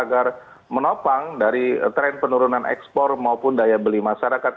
agar menopang dari tren penurunan ekspor maupun daya beli masyarakat